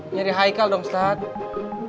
nyari haikel dong ustadz